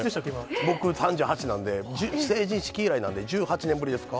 僕３８なんで、成人式以来なんで、１８年ぶりですか。